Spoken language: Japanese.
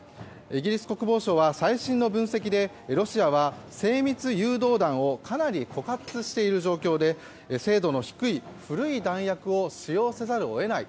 イギリス国防省は最新の分析でロシアは精密誘導弾をかなり枯渇している状況で精度の低い古い弾薬を使用せざるを得ない。